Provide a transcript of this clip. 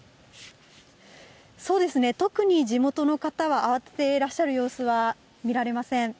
そうですね、特に地元の方は慌ててらっしゃる様子は見られません。